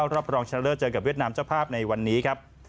รอบรองชนะเลิศเจอกับเวียดนามเจ้าภาพในวันนี้ครับ